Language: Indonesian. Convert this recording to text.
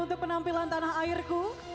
untuk penampilan tanah airku